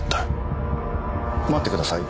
待ってください。